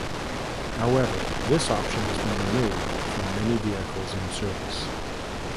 However, this option has been removed from many vehicles in service.